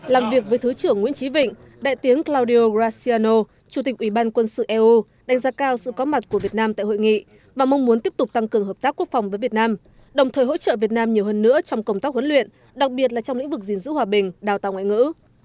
làm việc với thứ trưởng nguyễn trí vịnh đại tiến claudio graziano chủ tịch ủy ban quân sự eu đánh giá cao sự có mặt của việt nam tại hội nghị và mong muốn tiếp tục tăng cường hợp tác quốc phòng với việt nam đồng thời hỗ trợ việt nam nhiều hơn nữa trong công tác huấn luyện đặc biệt là trong lĩnh vực gìn giữ hòa bình đào tạo ngoại ngữ